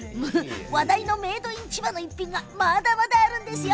話題のメードイン千葉の逸品がまだまだあるんですよ。